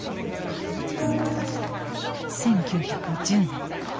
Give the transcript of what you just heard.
１９１０年。